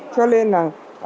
cho nên là